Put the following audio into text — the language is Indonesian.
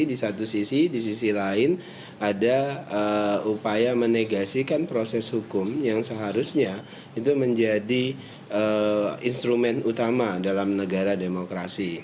di satu sisi di sisi lain ada upaya menegasikan proses hukum yang seharusnya itu menjadi instrumen utama dalam negara demokrasi